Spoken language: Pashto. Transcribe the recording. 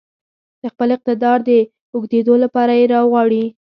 د خپل اقتدار د اوږدېدو لپاره يې راغواړي.